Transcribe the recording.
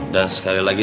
dan sekali lagi